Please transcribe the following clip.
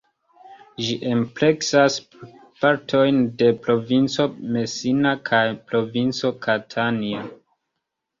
Ĝi ampleksas partojn de provinco Messina kaj provinco Catania.